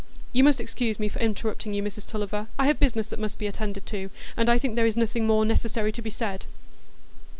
"You must excuse me for interrupting you, Mrs Tulliver; I have business that must be attended to; and I think there is nothing more necessary to be said."